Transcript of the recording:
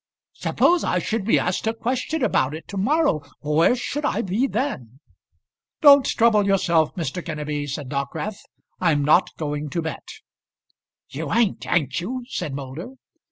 "Suppose I should be asked a question about it to morrow; where should I be then?" "Don't trouble yourself, Mr. Kenneby," said Dockwrath; "I'm not going to bet." "You ain't, ain't you?" said Moulder.